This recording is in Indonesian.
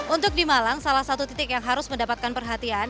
untuk di malang salah satu titik yang harus mendapatkan perhatian